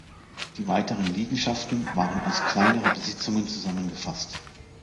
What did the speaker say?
Die weiteren Liegenschaften waren als kleinere Besitzungen zusammengefasst.